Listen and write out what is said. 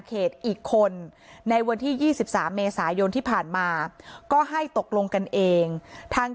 เขตอีกคนในวันที่๒๓เมษายนที่ผ่านมาก็ให้ตกลงกันเองทาง